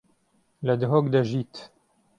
لە دهۆک دەژیت.